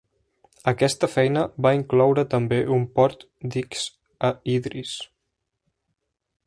Aquesta feina va incloure també un port d'X a Idris.